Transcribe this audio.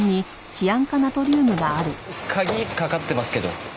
鍵かかってますけど。